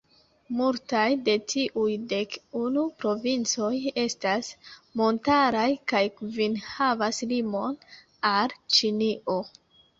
Multaj de tiuj dek unu provincoj estas montaraj, kaj kvin havas limon al Ĉinio.